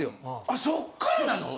あそっからなの？